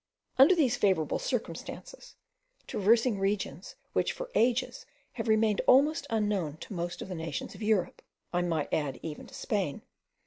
Under these favourable circumstances, traversing regions which for ages have remained almost unknown to most of the nations of Europe, I might add even to Spain, M.